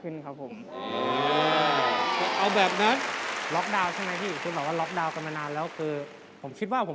คุณโอเคคุณโอเคคุณโอเคคุณโอเคคุณโอเคคุณโอเคคุณโอเคคุณโอเค